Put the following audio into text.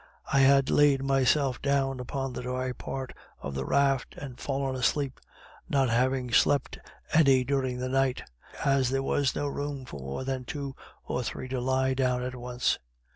I had laid myself down upon the dry part of the raft and fallen asleep, not having slept any during the night, as there was not room for more than two or three to lie down at once.